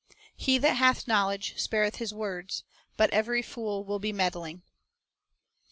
3 "He that hath knowledge spareth his words;" but " every fool will be meddling." 4 1 Prov.